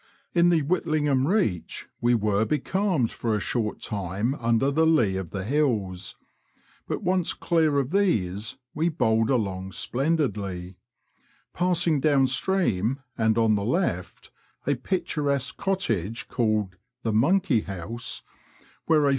In the WhitliDgham reach we were becalmed for a short time under the lee of the hills, but once clear of these, we bowled along splendidly. Passing down stream, and on the left, a Digitized by VjOOQIC NORWICH TO LOWESTOFT. 11 picturesque cottage, called the "Monkey house," where a.